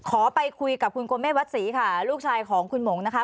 ขอไปคุยกับคุณโกเมฆวัดศรีค่ะลูกชายของคุณหมงนะคะ